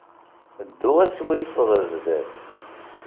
Ddu asurif ɣer sdat.